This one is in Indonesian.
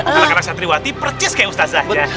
anak anak santriwati percis kayak ustazahnya